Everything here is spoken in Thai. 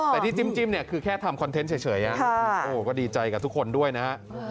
แต่ที่จิ้มเนี่ยคือแค่ทำคอนเทนต์เฉยก็ดีใจกับทุกคนด้วยนะฮะ